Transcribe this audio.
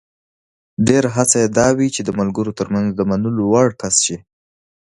ډېره هڅه یې دا وي چې د ملګرو ترمنځ د منلو وړ کس شي.